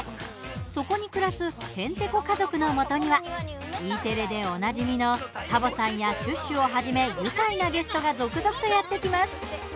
そこに暮らすへんてこ家族のもとにはＥテレでおなじみのサボさんやシュッシュをはじめ愉快なゲストが続々とやって来ます。